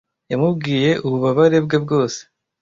yamubwiye ububabare bwe bwose